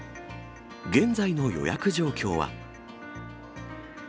現在の予約状況は。